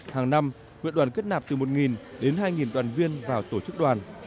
hàng năm huyện đoàn kết nạp từ một đến hai đoàn viên vào tổ chức đoàn